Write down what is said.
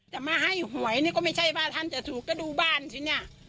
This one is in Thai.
จะมาให้หวยนี่ก็ไม่ใช่ว่าท่านจะถูกก็ดูบ้านสิเนี่ย